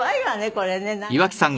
これねなんかね。